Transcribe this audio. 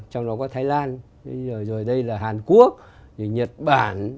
trong đó có thái lan rồi đây là hàn quốc rồi nhật bản